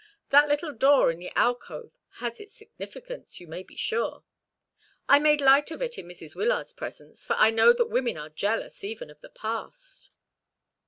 That little door in the alcove has its significance, you may be sure. I made light of it in Mrs. Wyllard's presence, for I know that women are jealous even of the past.